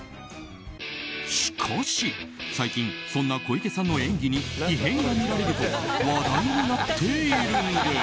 しかし、最近そんな小池さんの演技に異変がみられると話題になっているんです。